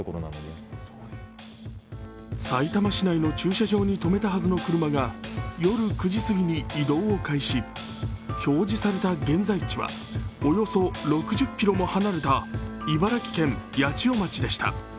さいたま市内の駐車場に止めたはずの車が夜９時すぎに移動を開始表示された現在地はおよそ６０ｋｍも離れた茨城県八千代町でした。